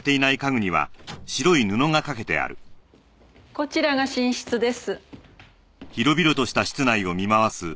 こちらが寝室です。